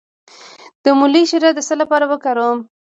د مولی شیره د څه لپاره وکاروم؟